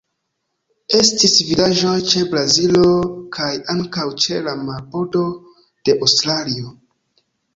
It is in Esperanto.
Estis vidaĵoj ĉe Brazilo kaj ankaŭ ĉe la marbordo de Aŭstralio.